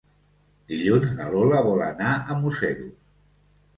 Dilluns na Lola vol anar a Museros.